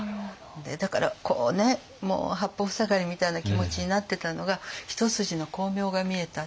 だからこうねもう八方塞がりみたいな気持ちになってたのが一筋の光明が見えたっていう。